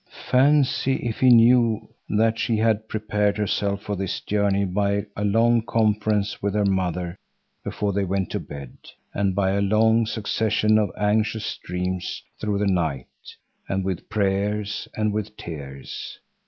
Fancy if he knew that she had prepared herself for this journey by a long conference with her mother before they went to bed; and by a long succession of anxious dreams through the night, and with prayers, and with tears!